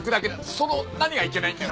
その何がいけないんだよ。